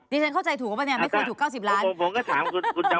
ดิฉันเข้าใจถูกว่าไม่ควรถูก๙๐ล้าน